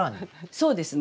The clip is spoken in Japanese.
そうですね。